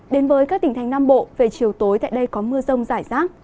đến với các tỉnh thành nam bộ về chiều tối tại đây có mưa rông rải rác